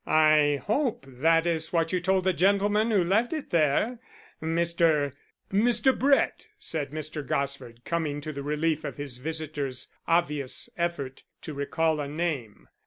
"I hope that is what you told the gentleman who left it there Mr. ?" "Mr. Brett," said Mr. Gosford, coming to the relief of his visitor's obvious effort to recall a name.